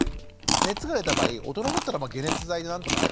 熱が出た場合大人だったら解熱剤で何とかする。